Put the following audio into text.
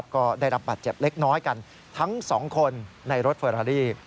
ก็ได้รับบาดเจ็บเล็กน้อยกันทั้งสองคนในรถเฟอรารี่